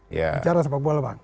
bicara sepak bola bang